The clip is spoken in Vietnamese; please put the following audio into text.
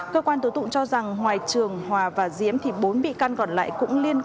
cơ quan thủ tục cho rằng ngoài trường hòa và diễm thì bốn bị căn còn lại